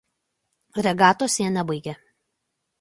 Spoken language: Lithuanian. Regatos jie nebaigė.